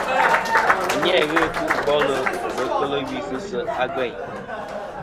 A ni a na ghɨ ɨtu bolɨ wùl kel wi sɨ se ' a gveyn.